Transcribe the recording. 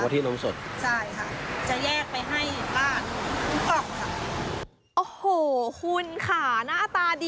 มักกล้า